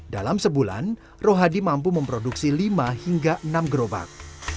dalam sebulan rohadi mampu memproduksi lima hingga enam gerobak